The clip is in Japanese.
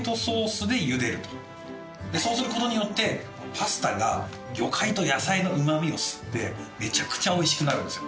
そうする事によってパスタが魚介と野菜のうまみを吸ってめちゃくちゃおいしくなるんですよ。